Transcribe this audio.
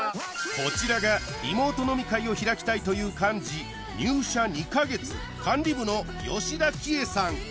こちらがリモート飲み会を開きたいという幹事入社２か月管理部の吉田貴恵さん